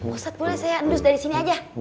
ustad boleh saya undus dari sini aja